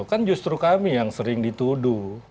kan justru kami yang sering dituduh